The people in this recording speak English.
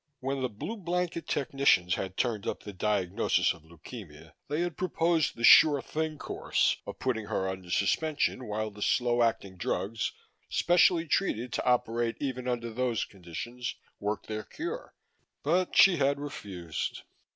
When the Blue Blanket technicians had turned up the diagnosis of leukemia, they had proposed the sure thing course of putting her under suspension while the slow acting drugs specially treated to operate even under those conditions worked their cure, but she had refused.